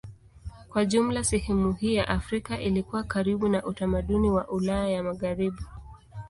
Kwa jumla sehemu hii ya Afrika ilikuwa karibu na utamaduni wa Ulaya ya Magharibi.